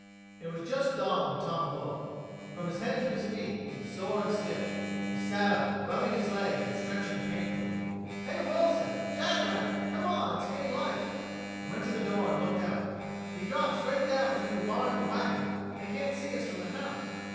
It was just dawn when Tom awoke. From his head to his feet, he was sore and stiff. He sat up, rubbing his legs and stretching painfully. "Hey, Wilson! Shadrack! Come on. It's getting light." He went to the door and looked out. "If we drop straight down between the barn and the wagon, they can't see us from the house."